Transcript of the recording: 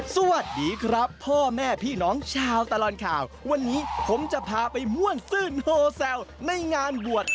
สวัสดีครับพ่อแม่พี่น้องชาวตลอดข่าววันนี้ผมจะพาไปม่วนซื่นโฮแซวในงานบวช